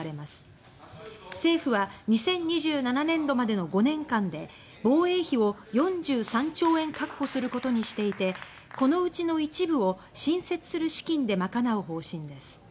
政府は２０２７年度までの５年間で防衛費を４３兆円確保することにしていてこのうちの一部を新設する資金で賄う方針です。